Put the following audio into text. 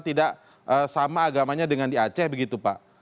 tidak sama agamanya dengan di aceh begitu pak